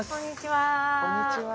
こんにちは。